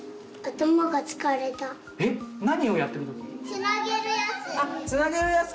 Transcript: つなげるやつ。